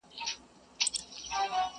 د طوطي له خولې خبري نه وتلې.!